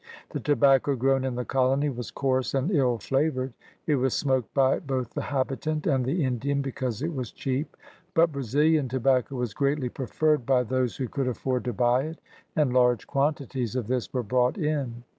The tobacco grown in the colony was coarse and ill flavored. It was smoked by both the habitant and the Indian because it was cheap; but Brazilian tobacco was greatly preferred by those who could afford to buy it, and large quantities of this were brought in.